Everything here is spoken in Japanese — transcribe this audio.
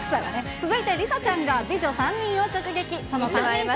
続いて梨紗ちゃんが美女３人を直撃。